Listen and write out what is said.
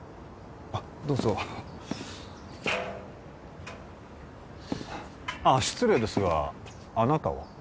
あっどうぞああ失礼ですがあなたは？